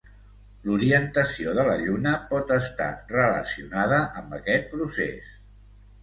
L'orientació de la Lluna pot estar relacionada amb aquest procés.